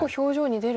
出る。